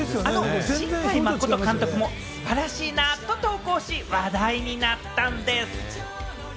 新海誠監督も「素晴らしいな」と投稿し、話題になったんでぃす。